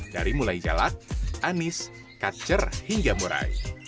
dari mulai jalak anis kacer hingga murai